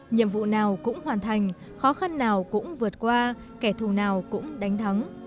nhiệm vụ nào cũng hoàn thành khó khăn nào cũng vượt qua kẻ thù nào cũng đánh thắng